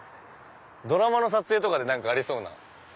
ドラマの撮影とかでありそうな。